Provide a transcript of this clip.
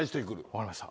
分かりました。